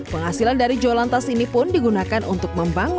penghasilan dari jualan tas ini pun digunakan untuk membuat tas